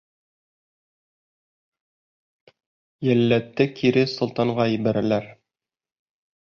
Йәлләтте кире солтанға ебәрәләр.